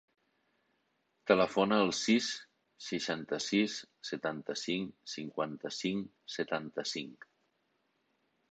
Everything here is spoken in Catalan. Telefona al sis, seixanta-sis, setanta-cinc, cinquanta-cinc, setanta-cinc.